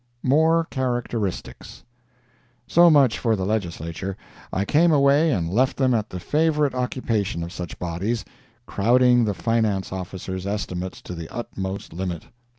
MORE CHARACTERISTICS So much for the Legislature. I came away and left them at the favorite occupation of such bodies—crowding the finance officer's estimates to the utmost limit.